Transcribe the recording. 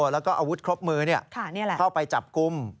แล้วก็อาวุธครบมือเข้าไปจับกลุ่ม